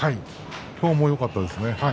今日もよかったですね。